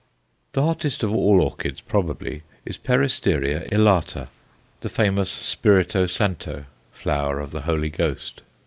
The hottest of all orchids probably is Peristeria elata, the famous "Spirito Santo," flower of the Holy Ghost.